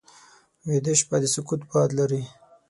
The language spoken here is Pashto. ویده شپه د سکوت باد لري